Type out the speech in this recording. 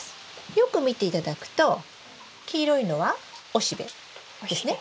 よく見て頂くと黄色いのは雄しべですね？